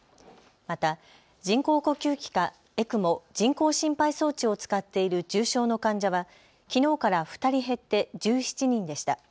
また人工呼吸器かＥＣＭＯ・人工心肺装置を使っている重症の患者はきのうから２人減って１７人でした。